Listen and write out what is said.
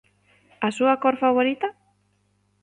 A súa cor favorita?